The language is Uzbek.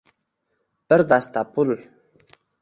Bir dasta pul